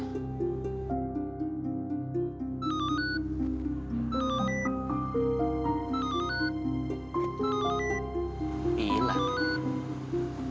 tapi sampai sekarang belum datang dia